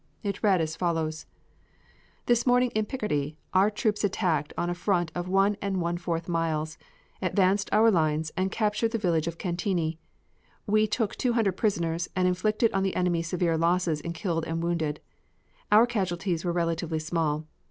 It read as follows: "This morning in Picardy our troops attacked on a front of one and one fourth miles, advanced our lines, and captured the village of Cantigny. We took two hundred prisoners, and inflicted on the enemy severe losses in killed and wounded. Our casualties were relatively small.